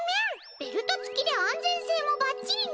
ベルト付きで安全性もバッチリね！